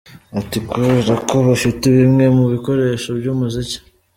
Ati “…Kubera ko bafite bimwe mu bikoresho by’umuziki